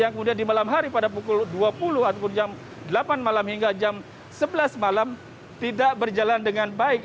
yang kemudian di malam hari pada pukul dua puluh atau jam delapan malam hingga jam sebelas malam tidak berjalan dengan baik